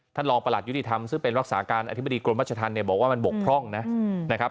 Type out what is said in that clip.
รองประหลัดยุติธรรมซึ่งเป็นรักษาการอธิบดีกรมรัชธรรมเนี่ยบอกว่ามันบกพร่องนะครับ